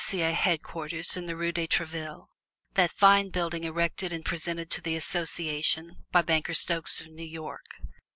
C.A. headquarters in the Rue de Treville that fine building erected and presented to the Association by Banker Stokes of New York.